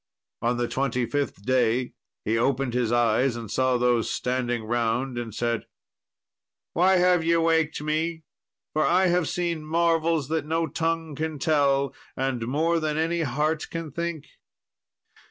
On the twenty fifth day he opened his eyes and saw those standing round, and said, "Why have ye waked me? for I have seen marvels that no tongue can tell, and more than any heart can think."